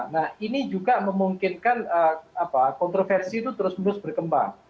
nah ini juga memungkinkan kontroversi itu terus menerus berkembang